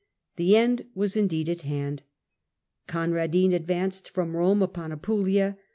The end was, indeed, at hand. Conradin advanced from ^^^^^^^^ Eome upon Apulia.